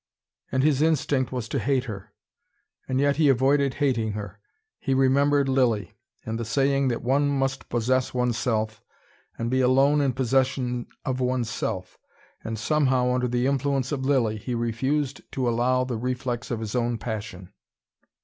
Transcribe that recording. And his instinct was to hate her. And yet he avoided hating her. He remembered Lilly and the saying that one must possess oneself, and be alone in possession of oneself. And somehow, under the influence of Lilly, he refused to follow the reflex of his own passion.